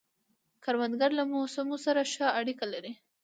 کروندګر له موسمو سره ښه اړیکه لري